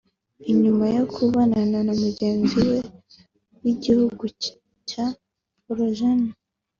Inyuma yo kubonana na mugenzi we w'igihugu ca Pologne